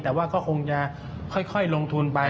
แต่ว่าก็คงจะค่อยลงทุนไป